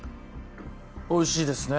おいしいですね